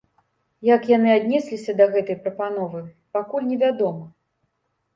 Як яны аднесліся да гэтай прапановы, пакуль невядома.